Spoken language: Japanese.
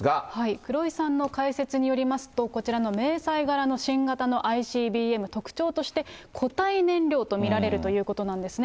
黒井さんの解説によりますと、こちらの迷彩柄の新型のＩＣＢＭ、特徴として固体燃料と見られるということなんですね。